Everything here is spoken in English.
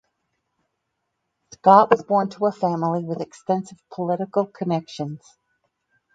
Scott was born to a family with extensive political connections.